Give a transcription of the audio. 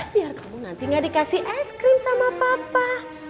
biar kamu nanti gak dikasih es krim sama papa